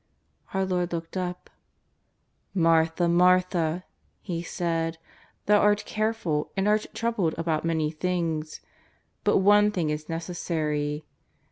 Our Lord looked up: " Martha, Martha," He said, " thou art careful and art troubled about many things. But one thing is necessary.